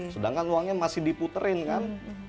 sedangkan uangnya masih diputerin kan